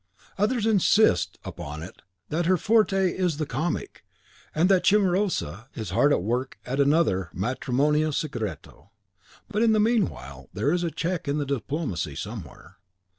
Others insist upon it that her forte is the comic, and that Cimarosa is hard at work at another "Matrimonia Segreto." But in the meanwhile there is a check in the diplomacy somewhere.